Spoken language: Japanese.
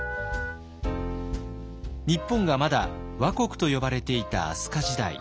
日本がまだ倭国と呼ばれていた飛鳥時代。